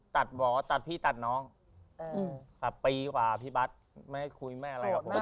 ตัดหมอตัดพี่ตัดน้องเออครับปีกว่าพี่บาทไม่ให้คุยแม่อะไรครับโหดมาก